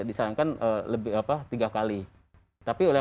disarankan lebih apa tiga kali tapi oleh